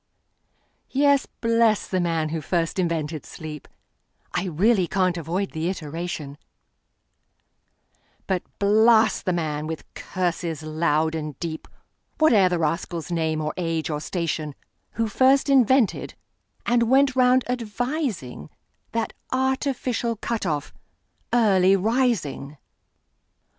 Yes; bless the man who first invented sleep(I really can't avoid the iteration),But blast the man, with curses loud and deep, Whate'er the rascal's name, or age, or station, Who first invented, and went round advising, That artificial cut off, Early Rising!